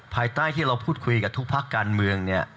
ภายใต้ที่เราพูดคุยกับทุกภาคการเมืองเนี่ย